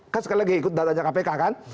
kan sekali lagi ikut datanya kpk kan